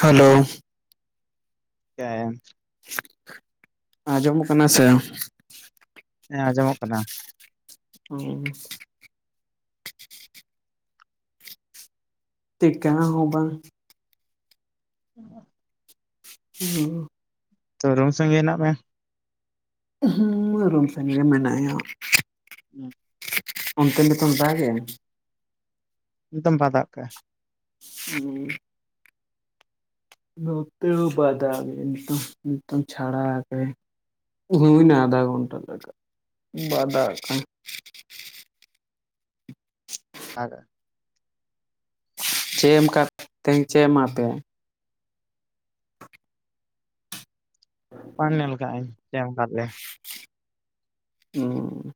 hello ᱦ ᱟᱸᱡᱚᱢᱚᱜ ᱠᱟᱱᱟ ᱥᱮ ᱟᱸᱡᱚᱢᱚᱜ ᱠᱟᱱᱟ ᱦᱩᱸ ᱪᱮᱫ ᱠᱟᱱᱟ ᱦᱚᱸ ᱵᱟᱝ ᱦ ᱦᱩ ᱛᱚ ᱨᱚᱝ ᱥᱟᱚᱝᱜᱮ ᱦᱮᱱᱟᱜ ᱢᱮ ᱦ ᱨᱢ ᱥᱮ ᱜᱮ ᱢᱮᱱᱟᱭᱟ ᱦᱮᱸ ᱚᱱᱛᱮ ᱱᱤᱛᱚᱜ ᱫᱟᱜ ᱮᱟᱭ ᱮᱫᱚᱢ ᱵᱟᱫᱟᱜ ᱠᱟᱜ ᱟᱭ ᱦᱮᱸ ᱱᱚᱛ ᱵᱟᱫᱷᱟᱜ ᱱᱤᱛ ᱱᱤᱛ ᱪᱷᱟᱲᱟᱠ ᱦᱤᱱ ᱟᱫᱷᱟ ᱜᱷᱚᱱᱴᱟ ᱞᱟᱜᱟᱜ ᱵᱟᱫᱜ ᱟᱜᱠᱟ ᱟ ᱪᱮᱫ ᱮᱢ ᱠᱟᱜ ᱛᱮᱦᱧ ᱪᱮᱫ ᱮᱢᱟ ᱯᱮᱭᱟ ᱵᱟ ᱧᱮᱞᱠᱟᱟᱹᱧ ᱪᱮᱫ ᱮᱢᱠᱟ ᱞᱮ ᱚ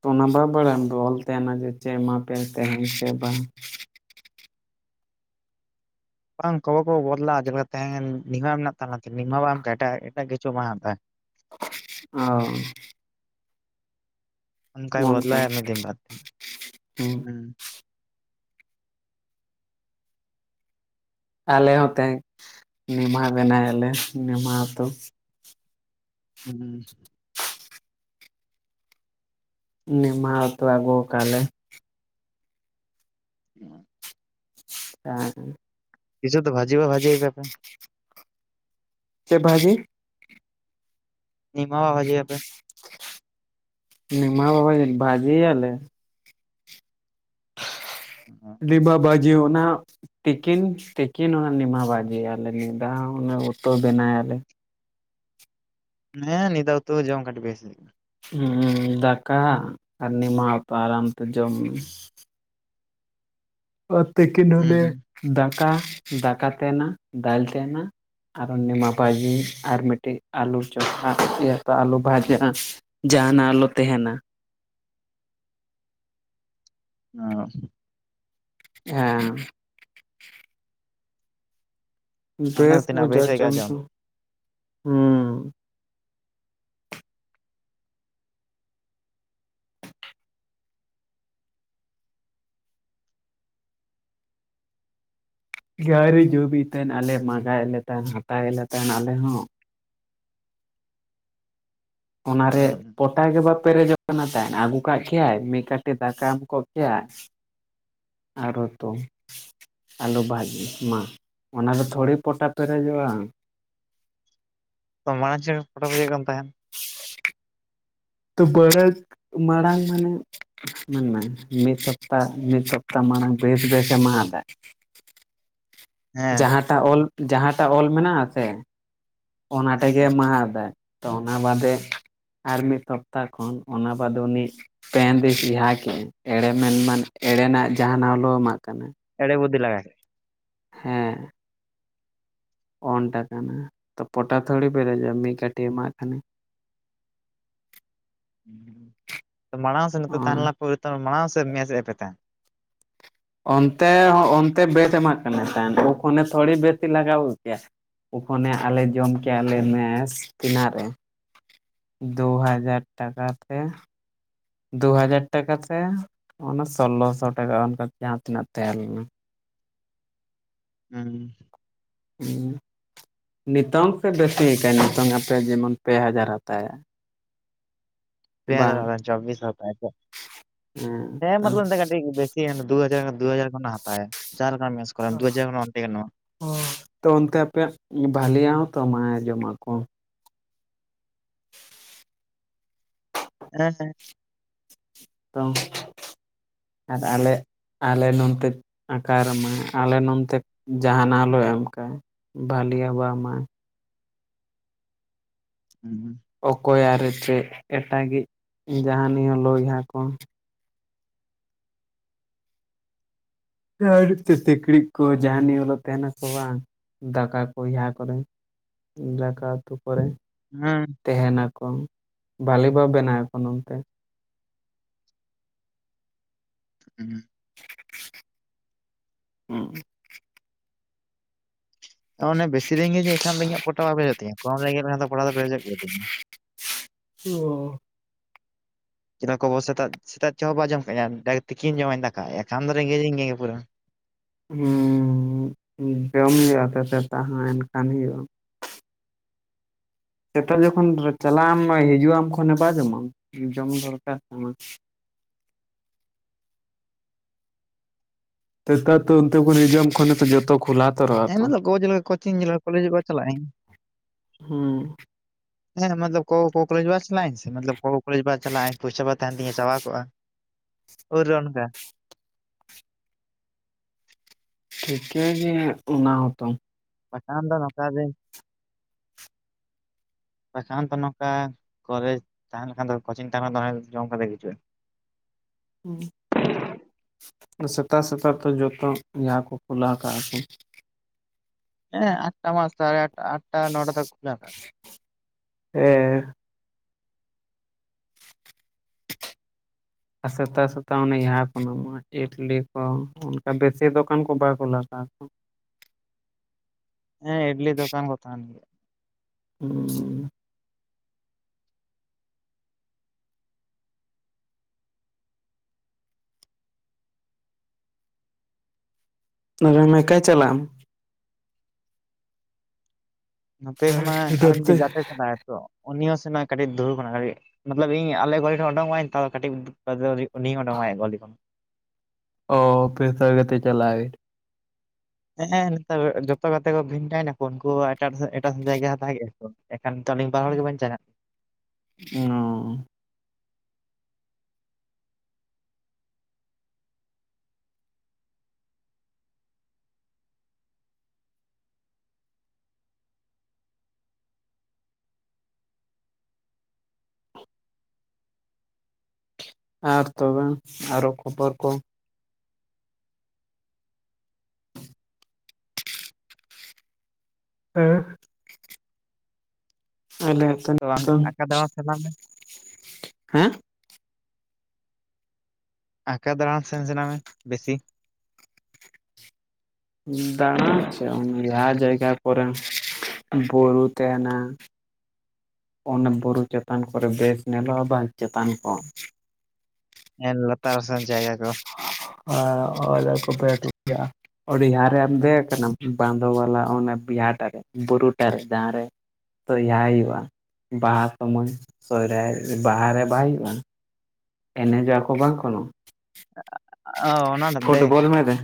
ᱛᱚ ᱚᱱᱟ ᱵᱟᱟᱭ ᱵᱟᱲᱟᱭᱟᱢ ᱫᱚ ᱚᱞ ᱛᱟᱦᱮᱱᱟ ᱡᱮ ᱪᱮᱫ ᱮᱢᱟ ᱯᱮ ᱛᱟᱦᱮᱦᱧ ᱥᱮ ᱵᱟᱝ ᱵᱟᱝ ᱠᱚᱚᱵᱚ ᱠᱚ ᱵᱚᱫᱞᱟᱼᱟ ᱡᱮᱫᱠᱟ ᱛᱟᱦᱮᱸ ᱱᱤᱢᱟ ᱢᱮᱱᱟᱜ ᱛᱟᱞᱟ ᱱᱤᱢᱟ ᱵᱟᱝ ᱮ ᱮᱴᱟᱜ ᱠᱤᱪᱷᱩ ᱵᱟᱝ ᱦᱟᱛᱟ ᱚ ᱚᱸᱠᱟᱭ ᱚᱱᱠᱟ ᱵᱚᱫᱽᱞᱟᱭᱟ ᱢᱤᱫ ᱫᱤᱫ ᱵᱟᱫᱽ ᱦᱩᱸ ᱟᱞᱮ ᱦᱚᱸ ᱛᱟᱦᱮᱸ ᱱᱮᱦᱟᱦᱟ ᱵᱮᱱᱟᱣᱞᱮ ᱱᱮᱦᱟᱛ ᱦᱮᱸ ᱮ ᱢᱟᱛᱚ ᱟᱜᱩ ᱠᱟᱞᱮ ᱚ ᱦᱮ ᱠᱪᱷ ᱛᱚ ᱵᱷᱡ ᱵᱟ ᱵᱷᱡᱤ ᱵᱮᱯᱮ ᱪᱮᱫ ᱵᱷᱟᱹᱡᱤ ᱱᱢᱟ ᱟᱡᱟᱭ ᱟᱯᱮ ᱢᱟ ᱵᱟᱵᱟ ᱵᱷᱡᱤ ᱟᱞ ᱟᱹᱰᱤ ᱵᱟᱵᱟᱡ ᱡᱮ ᱚᱱᱟ ᱛᱤᱠᱤᱱ ᱛᱤᱠᱤᱱ ᱚᱱᱟ ᱱᱤᱢᱟ ᱵᱟᱡᱮᱭᱟᱞᱮ ᱱ ᱫᱟᱜ ᱚᱱᱟ ᱩᱛᱩᱟᱹ ᱵᱮᱱᱟᱞᱮ ᱦᱮᱸ ᱱᱤᱫ ᱛᱚ ᱡᱚᱢ ᱠᱟᱴᱴᱤ ᱯ ᱦ ᱫᱟᱠᱟ ᱟᱨ ᱱᱤ ᱢᱛᱟᱨᱛᱮ ᱡᱚᱢ ᱛᱮᱠᱤᱱᱦᱮ ᱦᱩᱸ ᱫ ᱠᱟ ᱫᱟᱠᱟ ᱛᱟᱦᱮᱱᱟ ᱫᱟᱭ ᱛᱟᱦᱮᱱᱟ ᱟᱨᱚ ᱱᱤᱢᱟ ᱵᱷᱷᱟᱡᱤ ᱟᱨ ᱢᱤᱫᱴᱤᱡ ᱟᱞᱩ ᱪᱯᱷᱟ ᱞᱩ ᱵᱷᱟᱡᱟ ᱡᱟᱦᱟᱱᱟᱜ ᱟᱞᱚ ᱛᱟᱦᱮᱱᱟ ᱦ ᱦᱮᱸ ᱚᱱᱮ ᱰᱨᱮᱥ ᱫᱚ ᱵ ᱛᱤᱱᱟᱹᱜ ᱵᱮᱥ ᱡᱟᱨ ᱟᱹᱭᱠᱟᱹᱜᱼᱟ ᱡᱚᱢ ᱡᱚᱝᱥᱩ ᱦᱩᱸ ᱜᱣᱨᱤ ᱡᱵᱤᱭ ᱛᱟᱦᱮᱸᱱ ᱟᱞᱮ ᱢᱟᱸᱜᱟᱭᱮᱫ ᱞᱮ ᱛᱟᱦᱮᱸᱱ ᱦᱟᱛᱟᱣᱮᱫ ᱞᱮᱮ ᱛᱟᱦᱮᱸᱱ ᱟᱞᱮ ᱦᱚᱸ ᱚᱱᱟᱨᱮ ᱯᱚᱴᱟ ᱜᱮᱮ ᱵᱟᱫ ᱯᱮᱨᱮᱡᱚᱜ ᱛᱟᱭᱫ ᱟᱹᱜᱩ ᱠᱟᱜ ᱠᱮᱭᱟᱭ ᱢᱤᱫ ᱠᱟᱴᱤᱡ ᱫᱟᱠᱟ ᱮᱢ ᱠᱚᱜ ᱠᱮᱼᱟᱭ ᱟᱨᱦᱚ ᱛᱚ ᱟᱹᱞᱩ ᱵᱷᱟᱡᱤ ᱢᱟ ᱚᱱᱟ ᱫᱚ ᱛᱷᱚᱲᱤ ᱯᱚᱴᱟ ᱯᱮᱨᱮᱡᱚᱜᱼᱟ ᱛᱚ ᱢᱟᱲᱟᱝ ᱪᱮᱫ ᱯᱷᱳᱴᱳ ᱵᱩᱡᱷᱟᱹ ᱠᱟᱱ ᱛᱟᱦᱮᱱ ᱛᱚ ᱵᱟᱹᱲ ᱢᱟᱲᱟᱝ ᱢᱟᱱᱮ ᱢᱤᱫ ᱥᱚᱯᱛᱟ ᱢᱤᱫ ᱥᱚᱯᱛᱟ ᱢᱟᱲᱟᱝ ᱵᱮᱥ ᱵᱮᱥ ᱮᱢᱟᱫᱟ ᱦᱮᱸ ᱡᱟᱦᱟᱸᱴᱟᱜ ᱚᱞ ᱡᱟᱦᱟᱸᱴᱟᱜ ᱚᱞ ᱢᱮᱱᱟᱜ ᱟ ᱥᱮ ᱚᱱᱟ ᱴᱟᱜ ᱜᱮ ᱢᱟᱫ ᱛᱚ ᱚᱱᱟ ᱵᱟᱫᱮ ᱟᱨ ᱢᱤᱫ ᱥᱚᱯᱛᱟ ᱠᱷᱚᱱ ᱚᱱᱟ ᱵᱟᱫᱮ ᱩᱱᱤ ᱯᱮ ᱫᱤᱥᱤᱥ ᱡᱟᱦᱟᱸᱦᱟ ᱠᱮᱜᱟᱭ ᱮᱲᱮ ᱢᱮᱱᱢᱟᱱ ᱮᱲᱮᱱᱟᱜ ᱡᱟᱦᱟᱸᱱᱟᱜᱞᱚ ᱮᱢᱟᱜ ᱠᱟᱱᱟ ᱵᱚᱫᱫᱤ ᱞᱟᱜᱮ ᱦᱮᱸ ᱚᱱᱴ ᱟᱠᱟᱱᱟ ᱛᱚ ᱯᱚᱴᱟ ᱛᱷᱚᱲᱤ ᱯᱨᱮᱡᱟᱢ ᱢᱤᱫ ᱠᱟᱹᱴᱤ ᱮᱢᱟᱜ ᱦᱟᱱᱮ ᱢᱟᱲᱟᱝ ᱥᱮᱱ ᱛᱟᱦᱮᱱ ᱞᱮᱱᱟ ᱢᱟᱲᱟᱝ ᱢᱮ ᱯᱟᱛᱟ ᱚᱱᱛᱮ ᱦᱚᱸ ᱚᱱᱛᱮ ᱵᱮᱫ ᱮᱢᱟᱜ ᱠᱟᱱᱟ ᱛᱟᱦᱮᱱ ᱩᱱᱠᱷᱚᱱᱮ ᱛᱷᱚᱲᱤ ᱵᱮᱥᱤ ᱞᱟᱜᱟᱣ ᱠᱮᱭᱟ ᱩᱱᱠᱷᱚᱱᱮ ᱟᱞᱮ ᱡᱚᱢ ᱠᱮᱭᱟᱞᱮ ᱱᱮᱥ ᱛᱤᱱᱟᱜ ᱨᱮ ᱫᱩ ᱦᱟᱡᱟᱨ ᱴᱟᱠᱟᱛᱮ ᱫᱩ ᱦᱟᱡᱟᱨ ᱴᱟᱠᱟᱛᱮ ᱚᱱᱟ ᱥᱳᱞᱞᱳ ᱥᱚ ᱴᱟᱠᱟ ᱚᱱᱠᱟ ᱡᱟᱦᱟᱸ ᱛᱤᱱᱟᱹᱜ ᱛᱟᱦᱮᱸ ᱞᱮᱱᱟ ᱦᱮᱸ ᱦᱮᱸ ᱱᱤᱛᱚᱝ ᱥᱮ ᱵᱮᱥᱤᱠᱟᱱᱟ ᱱᱤᱛᱚᱝ ᱟᱯᱮ ᱡᱮᱢᱚᱱ ᱯᱮ ᱦᱟᱡᱟᱨ ᱦᱟᱛᱟᱣ ᱮᱜ-ᱟ ᱯᱮ ᱦᱟᱡᱟᱨ ᱪᱚᱵᱵᱤᱥ ᱢᱞᱴ ᱦᱮᱸ ᱛᱚ ᱵᱮᱥ ᱫᱩ ᱦᱟᱡᱟᱨ ᱫᱩ ᱦᱟᱡᱟᱨ ᱠᱷᱚᱱᱟᱜ ᱦᱟᱛᱟᱣᱟ ᱛᱚ ᱚᱱᱛᱮ ᱟᱯᱮ ᱵᱟᱞᱤᱭᱟ ᱛᱚᱢᱟᱭ ᱡᱚᱢᱟ ᱠᱚ ᱦᱮᱸ ᱦᱮᱸ ᱛᱚ ᱟᱨ ᱟᱞᱮ ᱟᱞᱮ ᱱᱚᱱᱛᱮ ᱟᱠᱟᱨ ᱢᱟ ᱟᱞᱮ ᱱᱚᱱᱛᱮ ᱡᱟᱦᱟᱱᱟᱜ ᱞᱮ ᱮᱢ ᱠᱟᱜ ᱵᱟᱹᱞᱮᱤᱭᱟᱵᱟ ᱢᱟ ᱦᱩᱸ ᱦᱩᱸ ᱚᱠᱚᱭᱟᱜ ᱨᱮ ᱪᱮᱫ ᱮᱴᱟᱜᱮ ᱡᱟᱦᱟᱱᱤᱭᱟᱹ ᱞᱚᱭᱦᱟ ᱠᱚ ᱟᱹᱰᱤ ᱛᱮ ᱴᱠᱲᱤᱡ ᱠᱚ ᱡᱟᱦᱟᱱᱤ ᱚᱞᱚᱜ ᱛᱟᱦᱮᱱᱟᱠᱚ ᱵᱟᱝ ᱫᱟᱠᱟ ᱠᱚ ᱠᱚᱨᱮ ᱫᱟᱠᱟ ᱩᱛᱩ ᱠᱚᱨᱮ ᱛᱮᱦᱮᱱᱟᱠᱚ ᱵᱷᱟᱞᱮ ᱵᱚ ᱵᱮᱱᱟᱣ ᱟᱠᱚ ᱱᱚᱱᱛᱮ ᱦᱮᱸ ᱦᱩᱸ ᱚᱱᱮ ᱵᱮᱥᱤ ᱨᱮᱸᱜᱮᱫᱤᱧ ᱮᱱᱠᱷᱟᱱ ᱫᱚ ᱤᱧᱟᱹᱜ ᱯᱚᱴᱟᱣ ᱵᱟᱝ ᱵᱷᱨᱮᱡᱚᱜ ᱛᱤᱧᱟᱹ ᱠᱚᱢ ᱨᱮᱸᱜᱮᱡᱮᱫ ᱞᱮᱠᱷᱟᱱ ᱫᱚ ᱯᱚᱴᱟᱣ ᱫᱚ ᱯᱨᱮᱡᱚᱜ ᱜᱮ ᱛᱤᱧᱟ ᱚ ᱪᱮᱫ ᱞᱮᱠᱟ ᱠᱷᱵᱚ ᱥᱮᱛᱟᱜ ᱥᱮᱛᱟᱜ ᱪᱦ ᱦᱚᱸ ᱵᱟᱭ ᱡᱚᱢ ᱠᱟᱜᱤᱧ ᱛᱤᱠᱤᱱ ᱡᱚᱢᱟᱧ ᱫᱟᱠᱟ ᱮᱱᱠᱷᱟᱱ ᱫᱚ ᱨᱮᱸᱜᱮᱡᱤᱧ ᱜᱮᱭᱟ ᱯᱩᱨᱟᱹ ᱦᱩᱸ ᱡᱚᱢ ᱦᱩᱭᱩᱜᱼᱟ ᱛᱚ ᱥᱮ ᱛᱚ ᱮᱱᱠᱷᱟᱱ ᱦᱩᱭᱩᱜᱼᱟ ᱥᱮᱛᱟᱜ ᱡᱚᱠᱷᱚᱱ ᱪᱟᱞᱟᱜ ᱟᱢ ᱦᱤᱡᱩᱜ ᱟᱢ ᱠᱷᱚᱱᱮ ᱵᱟ ᱡᱚᱢᱼᱟ ᱡᱚᱢ ᱫᱚᱨᱠᱟᱨ ᱠᱟᱱᱟ ᱛᱮᱥᱮᱛᱟᱨ ᱛᱚ ᱛᱮ ᱱᱤᱭᱩᱡᱤᱭᱟᱢ ᱠᱷᱚᱱᱮᱚ ᱡᱚᱛᱚ ᱠᱷᱚᱞᱟ ᱦᱮᱸᱢᱟ ᱫᱚᱮᱞ ᱞᱮᱠᱟ ᱠᱳᱪᱤᱝ ᱡᱮᱞᱮᱠᱟ ᱠᱚᱞᱮᱡᱚᱜ ᱪᱟᱞᱟᱜ ᱟᱹᱧ ᱦᱩᱸ ᱦᱮᱸ ᱢᱚᱛᱞᱚᱵ ᱠᱚᱼ ᱠᱚᱞᱮᱡ ᱵᱟ ᱪᱟᱞᱟᱜ ᱟᱹᱧ ᱥᱮ ᱢᱚᱛᱞᱚᱵ ᱠᱚ ᱠᱚᱞᱮᱮᱡ ᱵᱟ ᱪᱟᱞᱟᱜ ᱯᱚᱭᱥᱟ ᱵᱟᱝ ᱛᱟᱦᱮᱱ ᱛᱤᱧᱟᱹ ᱪᱟᱵᱟ ᱠᱚᱜᱼᱟ ᱩᱨ ᱨᱮ ᱚᱱᱠᱟ ᱴᱷᱤᱠ ᱜᱮ ᱚᱱᱟ ᱦᱚᱸᱛᱚ ᱵᱟᱠᱷᱟᱱ ᱫᱚ ᱱᱚᱝᱠᱟ ᱜᱮ ᱵᱟᱠᱷᱟᱱ ᱫᱚ ᱱᱚᱝᱠᱟ ᱠᱚᱞᱮᱡᱽ ᱛᱟᱸᱦᱮ ᱞᱮᱠᱷᱟᱱ ᱫᱚ ᱠᱳᱪᱤᱝ ᱛᱟᱦᱮᱱᱟᱱ ᱫᱚ ᱡᱚᱢ ᱠᱟᱛᱮ ᱦᱤᱡᱩᱜᱼᱟ ᱥᱮᱛᱟ ᱥᱮᱛᱟ ᱛᱚ ᱡᱚᱛᱚ ᱡᱟᱦᱟᱸ ᱠᱚ ᱠᱩᱞᱟᱹ ᱠᱟᱜᱼᱟ ᱠᱚ ᱦᱮᱸ ᱟᱴᱴᱟ ᱢᱟᱥ ᱥᱟᱲᱮ ᱟ ᱟᱴᱴᱟ ᱱᱚᱴᱟ ᱛᱚ ᱠᱷᱩᱞᱟ ᱦᱮᱸ ᱟᱨ ᱥᱮᱛᱟ ᱥᱮᱛᱟ ᱚᱱᱮ ᱡᱟᱦᱟᱸ ᱠᱚ ᱧᱟᱢᱚᱜᱼᱟ ᱤᱰᱞᱤ ᱠᱚ ᱚᱱᱠᱟ ᱵᱮᱥᱤ ᱫᱚᱠᱟᱱ ᱠᱚ ᱵᱟᱭ ᱠᱩᱞᱟᱹᱣ ᱠᱟᱜᱼᱟ ᱠᱚ ᱦᱮᱸ ᱤᱰᱞᱤ ᱫᱳᱠᱟᱱ ᱠᱚ ᱛᱟᱦᱮᱱ ᱜᱮᱭᱟ ᱦᱮᱸ ᱚᱱᱟ ᱢᱮᱠᱟᱭ ᱪᱟᱞᱟᱜ ᱟᱢ ᱱᱚᱛᱮ ᱦᱮᱸ ᱠᱷᱚᱱᱟᱜ ᱟᱨ ᱤᱫᱷᱟᱨ ᱛᱮ ᱢᱤᱫᱴᱤᱡ ᱜᱟᱛᱮ ᱪᱟᱞᱟᱜᱟᱭ ᱟ ᱛᱚ ᱩᱱᱤ ᱦᱚᱸ ᱥᱮᱱᱟᱜ ᱠᱟᱹᱴᱤᱡ ᱫᱩᱲ ᱠᱟᱱᱟ ᱠᱟᱹᱴᱤᱡ ᱢᱚᱛᱞᱚᱵ ᱤᱧ ᱟᱞᱮ ᱜᱚᱲᱤ ᱴᱷᱮᱱ ᱚᱰᱠᱚᱜ ᱟᱹᱧ ᱛ ᱠᱟᱹᱴᱤᱡ ᱩᱱᱤ ᱚᱸᱰᱚᱝᱟᱭ ᱜᱩᱰᱤ ᱠᱷᱚᱱ ᱚ ᱯᱚᱛ ᱛᱮ ᱪᱟᱞᱟᱣ ᱤᱧ ᱦᱮᱸ ᱱᱮᱛᱟᱨ ᱡᱚᱛᱚ ᱠᱟᱛᱮ ᱠᱚ ᱵᱷᱮᱱᱴᱟᱭ ᱱᱟᱠᱚ ᱩᱱᱠᱩ ᱮᱴᱟᱜ ᱮᱴᱟᱜ ᱡᱟᱭᱜᱟ ᱦᱟᱛᱟᱣ ᱠᱮᱜᱼᱟ ᱠᱚ ᱮᱱᱠᱷᱟᱱ ᱟᱹᱵᱤᱱ ᱵᱟᱨ ᱦᱚᱲ ᱜᱮᱵᱮᱱ ᱪᱟᱞᱟᱜ ᱚ ᱟᱨ ᱛᱚᱵᱮ ᱟᱨᱦᱚ ᱠᱷᱚᱵᱚᱨ ᱠᱚ ᱦᱮᱸ ᱟᱞᱮ ᱛᱚ ᱟᱠᱟ ᱫᱟᱬᱟᱱ ᱥᱟᱱᱟ ᱢᱮ ᱦᱮᱸ ᱟᱸᱠᱟ ᱫᱟᱬᱟᱱ ᱥᱮᱱ ᱥᱟᱱᱟ ᱢᱮ ᱵᱮᱥᱤ [inaudible] ᱡᱟᱭᱜᱟ ᱠᱚᱨᱮ ᱵᱩᱨᱩ ᱛᱟᱦᱮᱱᱟ ᱚᱱᱟ ᱵᱩᱨᱩ ᱪᱮᱛᱟᱱ ᱠᱚᱨᱮ ᱵᱮᱥ ᱧᱮᱞᱚᱜᱼᱟ ᱵᱟ ᱪᱮᱛᱟᱱ ᱠᱚ ᱞᱟᱛᱟᱨ ᱥᱮᱱ ᱡᱟᱭᱜᱟ ᱠᱚ ᱦᱚ ᱠᱚᱯᱮ ᱰᱦᱟᱨ ᱨᱮᱢ ᱫᱮᱡ ᱠᱟᱱᱟᱢ ᱵᱟᱸᱫᱳ ᱵᱟᱞᱟ ᱚᱱᱟᱚᱱ ᱵᱤᱦᱟᱴᱟᱨᱮ ᱵᱩᱨᱩ ᱴᱟᱨᱮ ᱡᱟᱦᱟᱸ ᱨᱮ ᱥᱚᱨᱦᱟᱭ ᱦᱩᱭᱩᱜᱼᱟ ᱵᱟᱦᱟ ᱥᱚᱢᱚᱭ ᱥᱚᱨᱦᱟᱭ ᱵᱟᱦᱟᱨᱮ ᱵᱟᱭ ᱦᱩᱭᱩᱜᱼᱟ ᱮᱱᱮᱡᱚᱜᱼᱟ ᱠᱚ ᱵᱟᱝᱠᱷᱚᱱᱳ ᱯᱷᱩᱴᱵᱚᱞ ᱢᱮ ᱨᱮ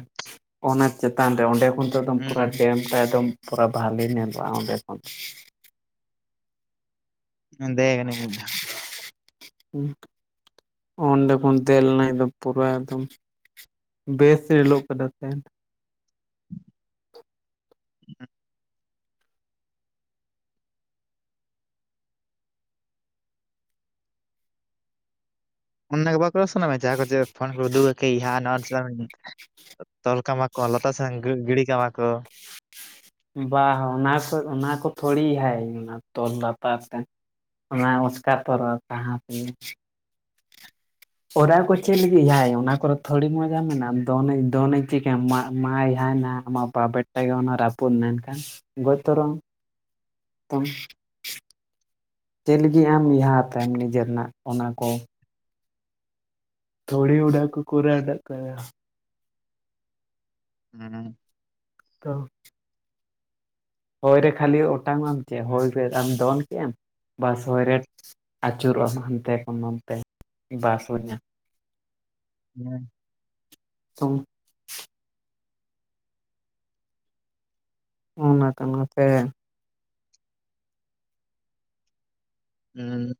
ᱚᱱᱟ ᱪᱮᱛᱟᱱ ᱨᱮ ᱚᱸᱰᱮ ᱯᱚᱱᱛᱫᱚᱢ ᱯᱩᱨᱟᱹ ᱰᱮᱢ ᱨᱮᱫᱚᱢ ᱯᱩᱨᱟ ᱵᱷᱟᱞᱮ ᱧᱮᱞᱚᱜ ᱟ ᱚᱸᱵᱮ ᱠᱷᱚᱱ ᱢᱮᱱᱫᱚᱜᱟ ᱱᱧᱤᱫ ᱦᱮᱸ ᱚᱸᱰᱮ ᱠᱷᱚᱱ ᱫᱮᱡᱱᱟ ᱯᱩᱨᱟᱹ ᱮᱠᱫᱚᱢ ᱵᱮᱥ ᱧᱤᱞᱚᱜ ᱠᱟ ᱛᱮ ᱦ ᱚᱱ ᱜᱮ ᱵᱟᱠᱚᱥ ᱥᱟᱱᱟᱚᱜ ᱢᱮ ᱡᱟᱦᱟᱸ ᱠᱚ ᱪᱮᱫ ᱯᱷᱳ ᱠᱚᱨᱮ ᱩᱫᱩᱠᱭᱟ ᱦ [inaudible] ᱛᱚᱞ ᱠᱟᱢᱟ ᱠᱚ ᱞᱛᱟ ᱥᱮᱱ ᱜᱤᱰᱤ ᱠᱟᱢᱟ ᱠᱚ ᱵᱟ ᱚᱱᱟ ᱠᱚ ᱚᱱᱟ ᱠᱚ ᱛᱷᱚᱲᱤ ᱦᱟᱭ ᱚᱱᱟ ᱛᱚᱞ ᱞᱟᱛᱟᱨ ᱛᱮ ᱚᱱᱟ ᱚᱥᱠᱟ ᱯᱚᱨᱚᱵ ᱛᱟᱦᱮᱸ ᱛᱟᱹ ᱚᱨᱟ ᱠᱚ ᱪᱮᱫ ᱞᱟᱹᱜᱤᱫ ᱦᱟᱭ ᱚᱱᱟ ᱠᱚᱨᱮ ᱛᱷᱚᱲᱤ ᱢᱚᱸᱡᱽ ᱡᱟ ᱢᱮᱱᱟᱜ-ᱟ ᱫᱚᱱᱟᱧ ᱫᱚᱱᱟᱧ ᱪᱤᱠᱟᱹᱭᱟᱢ ᱢᱟ ᱦᱟᱭᱱᱟ ᱟᱢᱟᱜ ᱵᱟ ᱵᱮᱴᱟ ᱜᱮ ᱚᱱᱟ ᱨᱟᱹᱯᱩᱫ ᱮᱱᱟ ᱮᱱᱠᱷᱟᱱ ᱜᱚᱡ ᱩᱛᱚᱨᱚᱜ-ᱟᱢ ᱛᱚ ᱪᱮᱫ ᱞᱟᱹᱜᱤᱫ ᱟᱢ ᱦᱟ ᱦᱟᱛᱢ ᱱᱤᱡᱮᱨ ᱨᱮᱱᱟᱜ ᱚᱱᱟ ᱠᱚ ᱛᱲ ᱩᱰᱠ ᱠᱚᱩᱨ ᱰᱠ ᱦᱮᱸ ᱛᱚ ᱦᱚᱭ ᱨᱮ ᱠᱷᱟᱹᱞᱤ ᱚᱴᱟᱝ ᱟᱢ ᱪᱮᱫ ᱦᱚᱭ ᱨᱮ ᱟᱢ ᱫᱚᱱ ᱠᱮᱫᱮᱜᱢ ᱵᱟᱥ ᱦᱚᱭ ᱨᱮ ᱟᱹᱪᱩᱨᱚᱜᱼᱟᱢ ᱦᱟᱱᱛᱮ ᱠᱷᱚᱱ ᱱᱛᱮ ᱵᱟᱥ ᱦᱩᱭᱧᱟ ᱦᱮᱸ ᱛᱚᱝ ᱚᱱᱟ ᱠᱟᱱᱟᱛᱮ ᱦᱮᱸ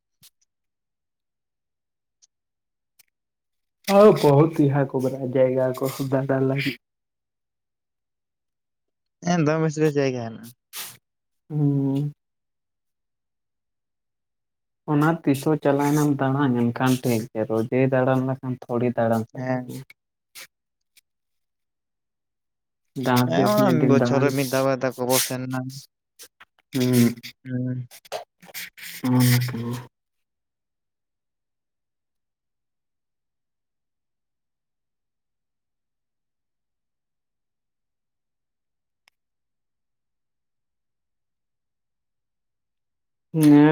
ᱦᱳᱭ ᱵᱚᱦᱩᱛ ᱤᱭᱟᱹ ᱠᱚ ᱢᱮᱱᱟᱜ -ᱟ ᱡᱟᱭᱜᱟ ᱠᱚ ᱫᱟᱰᱟᱱ ᱞᱟᱹᱜᱤᱫ ᱦᱮᱸ ᱫᱚᱢ ᱵᱮᱥ ᱵᱮᱥ ᱡᱟᱭᱜᱟ ᱦᱮᱱᱟᱜᱼᱟ ᱦᱩᱸ ᱚᱱᱟ ᱛᱤᱥᱦ ᱪᱟᱞᱟᱣᱮᱱᱟᱢ ᱫᱟᱬᱟᱱ ᱮᱱᱠᱷᱟᱱ ᱴᱷᱤᱠ ᱜᱮᱭᱟ ᱨᱳᱚᱡᱟᱹᱭ ᱫᱟᱬᱟᱱ ᱞᱮᱠᱷᱟᱱ ᱛᱲᱤ ᱫᱟᱨᱟᱢ ᱡᱟᱦᱟᱸ ᱦᱮᱸ ᱛᱤᱥ ᱚᱱᱟ ᱢᱤᱫ ᱫᱤᱱ ᱵᱚᱪᱚᱨᱮ ᱫᱟᱬᱟᱱ ᱢᱤᱫᱫᱷᱟ ᱵᱟᱨᱫᱟ ᱠᱚ ᱵᱚᱥ ᱱᱟ ᱦᱮᱸ ᱦ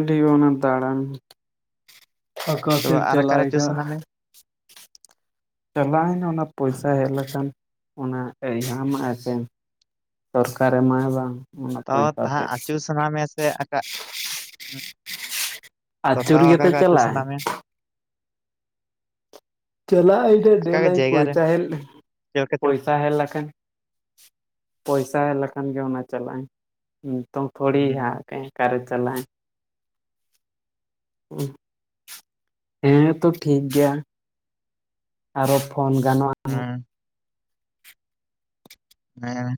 ᱱᱮ ᱚᱱᱟ ᱫᱟᱬᱟᱱ ᱛᱚᱵᱮ ᱟᱠᱟᱥᱮᱫ ᱟᱨ ᱟᱠᱟᱨ ᱟᱹᱪᱩᱨ ᱪᱟᱞᱟᱭᱼᱟ ᱥᱟᱱᱟ ᱢᱮ ᱪᱟᱞᱟᱣᱱᱟ ᱚᱱᱟ ᱯᱚᱭᱥᱟ ᱦᱮᱡ ᱞᱮᱠᱷᱟᱱ ᱚᱱᱟ ᱮᱟᱢ ᱮ ᱥᱮ ᱥᱚᱨᱠᱟᱨ ᱮᱢᱟᱭ ᱵᱟᱝ ᱚᱱᱟ ᱛᱚ ᱯᱚᱭᱥᱟ ᱛᱟᱦ ᱛᱮ ᱟᱹᱪᱩ ᱥᱟᱱᱟ ᱢᱮ ᱥᱮ ᱟᱠᱟ ᱟᱹᱪᱩᱨ ᱛᱚᱛᱟᱣ ᱜᱮᱛᱚ ᱟᱠᱟᱸᱠᱟ ᱟᱹᱪᱩ ᱪᱟᱞᱟᱜ ᱥᱟᱱᱟ ᱟᱭ ᱢᱮᱭᱟ ᱪᱟᱞᱟᱜ ᱟᱭ ᱰ ᱟᱠᱟᱜᱮ ᱰᱮᱞᱟᱭ ᱡᱟᱭᱜᱟ ᱨᱮ ᱯᱚᱭᱥᱟ ᱦᱮᱡ ᱪᱮᱫ ᱞᱮᱠᱟ ᱪᱮᱫ ᱞᱮᱠᱟ ᱯᱚᱭᱥᱟ ᱦᱮᱡ ᱞᱮᱠᱷᱟᱱ ᱯᱚᱭᱥᱟ ᱦᱮᱡ ᱞᱮᱠᱷᱟᱱ ᱜᱮ ᱚᱱᱟ ᱪᱟᱞᱟᱜ ᱟᱭ ᱱᱤᱛᱚᱝ ᱛᱷᱚᱲᱤ ᱦᱟᱜ ᱚᱠᱟᱨᱮ ᱪᱟᱞᱟᱜᱟᱭ ᱦᱮᱸᱛᱚ ᱴᱷᱤᱠ ᱜᱮᱭᱟ ᱟᱨᱚ ᱯᱷᱳᱱ ᱜᱟᱱᱚᱜᱼᱟ ᱦᱮᱸ